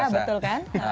iya betul kan